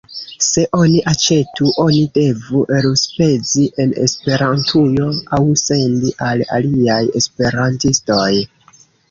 Se oni aĉetu, oni devu elspezi en Esperantujo aŭ sendi al aliaj esperantistoj.